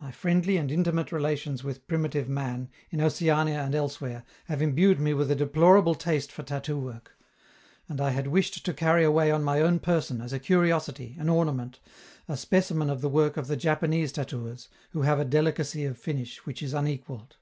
My friendly and intimate relations with primitive man, in Oceania and elsewhere, have imbued me with a deplorable taste for tattoo work; and I had wished to carry away on my own person, as a curiosity, an ornament, a specimen of the work of the Japanese tattooers, who have a delicacy of finish which is unequalled.